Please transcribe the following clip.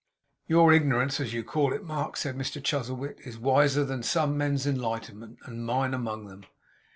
'Your ignorance, as you call it, Mark,' said Mr Chuzzlewit, 'is wiser than some men's enlightenment, and mine among them.